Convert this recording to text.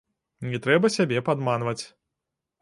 Не трэба сябе падманваць.